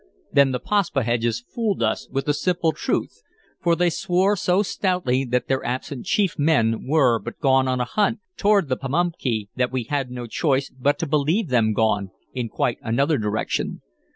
Then the Paspaheghs fooled us with the simple truth, for they swore so stoutly that their absent chief men were but gone on a hunt toward the Pamunkey that we had no choice but to believe them gone in quite another direction.